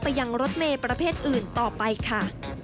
ยังรถเมย์ประเภทอื่นต่อไปค่ะ